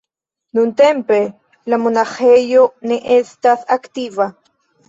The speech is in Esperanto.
Nuntempe la monaĥejo ne estas aktiva.